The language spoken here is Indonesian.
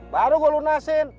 baru gue lunasin